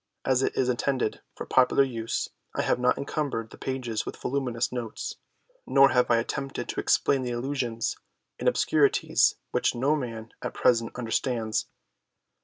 As it is intended for popular use I have not encumbered the PREFACE. XIII pages with voluminous notes, nor have I attempted to explain the allusions and obscurities which no man, at present, understands.